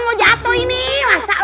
mau jatuh ini masa lo